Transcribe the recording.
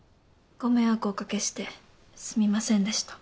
ご迷惑おかけしてすみませんでした。